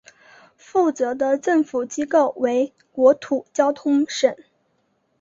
负责的政府机构为国土交通省。